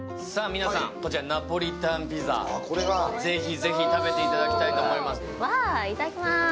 こちらナポリタンピザぜひぜひ食べていただきたいと思います。